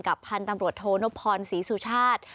พันธุ์ตำรวจโทนพรศรีสุชาติ